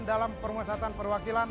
dalam permasatan perwakilan